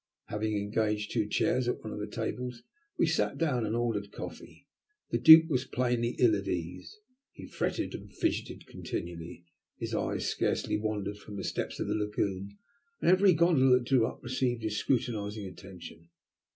Having engaged two chairs at one of the tables we sat down and ordered coffee. The duke was plainly ill at ease. He fretted and fidgeted continually. His eyes scarcely wandered from the steps of the lagoon, and every gondola that drew up received his scrutinizing attention.